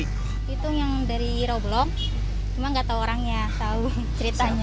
si pitung yang dari rawabelong cuma nggak tahu orangnya tahu ceritanya